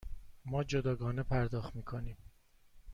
ما جداگانه پرداخت می کنیم.